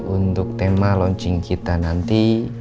untuk tema launching kita nanti